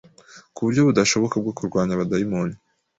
ku buryo budashoboka bwo kurwanya abadayimoni